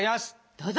どうぞ！